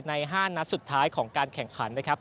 ๕นัดสุดท้ายของการแข่งขันนะครับ